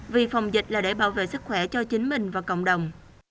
vì phòng dịch là để bảo vệ sức khỏe cho chính mình và cộng đồng